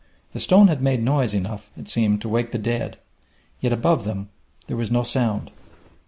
The stone had made noise enough, it seemed, to wake the dead; yet above them there was no sound.